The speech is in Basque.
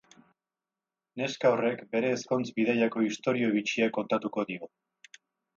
Neska horrek bere ezkon-bidaiako istorio bitxia kontatuko dio.